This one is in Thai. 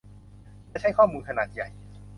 และใช้ข้อมูลขนาดใหญ่